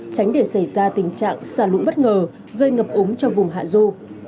tránh để xảy ra tình trạng xả lũ bất ngờ gây ngập úng cho vùng hạ du